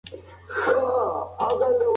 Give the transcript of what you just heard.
بزګر په پټي کې د ډیر کار کولو له امله ستړی شو.